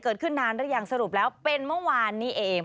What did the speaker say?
เกิดขึ้นนานหรือยังสรุปแล้วเป็นเมื่อวานนี้เอง